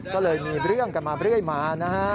ก็เลยมีเรื่องกันมาเรื่อยมานะฮะ